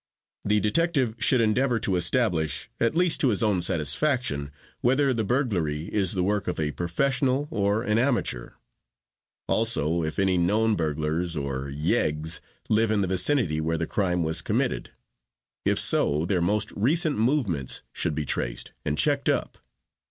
The detective should endeavor to establish, at least to his own satisfaction, whether the burglary is the work of a professional or an amateur; also if any known burglars or "yeggs" live in the vicinity where the crime was committed. If so, their most recent movements should be traced and checked up.